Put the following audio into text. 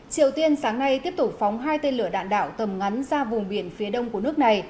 triều tiên sáng nay tiếp tục phóng hai tên lửa đạn đạo tầm ngắn ra vùng biển phía đông của nước này